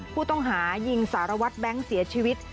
ผู้ต้องหายิงสารวัตรแบงค์เสียชีวิต